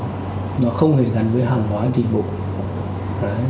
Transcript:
nó không hề gắn với hàng hóa tín dụng